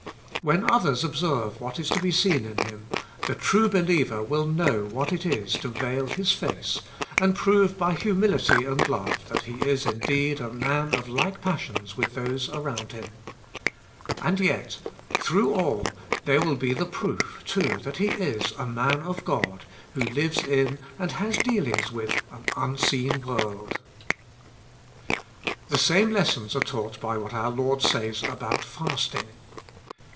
When others observe what is to be seen in him, the true believer will know what it is to veil his face, and prove by humility and love that he is indeed a man of like passions with those around him. And yet, through all, there will be the proof, too, that he is a man of God, who lives in, and has dealings with, an unseen world. The same lessons are taught by what our Lord says about fasting.